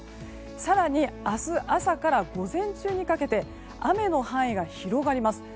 更に明日朝から午前中にかけて雨の範囲が広がります。